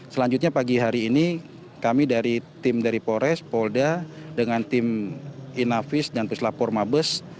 selanjutnya pagi hari ini kami dari tim dari polres polda dengan tim inavis dan puslapor mabes